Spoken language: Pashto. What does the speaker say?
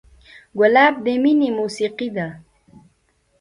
ګلاب د مینې موسیقي ده.